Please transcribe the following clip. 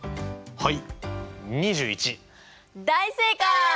はい。